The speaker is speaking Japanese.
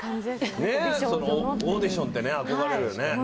オーディションって憧れるよね。